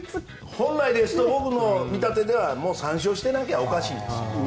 本来ですと僕の見立てではもう３勝してないとおかしいんですよね。